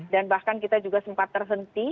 dan bahkan kita juga sempat terhenti